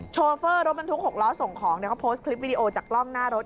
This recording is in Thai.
โชเฟอร์รถบรรทุก๖ล้อส่งของเขาโพสต์คลิปวิดีโอจากกล้องหน้ารถ